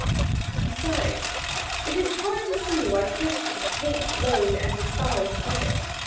Besides, it is hard to see why Christians hate, loathe and despise Judas.